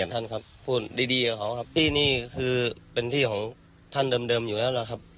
ที่นี่คือเป็นที่ของท่านเดิมอยู่แล้วแล้วครับ